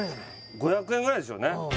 ５００円ぐらいでしょうね